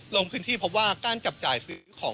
ลงขึ้นที่เพราะว่าก้านจับจ่ายซื้อของ